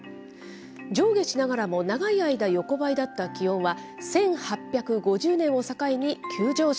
上下しながらも長い間、横ばいだった気温は、１８５０年を境に急上昇。